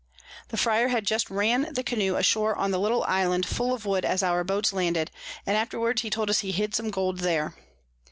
The Fryar had just ran the Canoe ashore on a little Island full of Wood as our Boats landed, and afterwards told us he hid some Gold there.